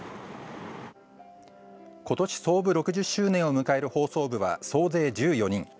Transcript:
今年創部６０周年を迎える放送部は総勢１４人。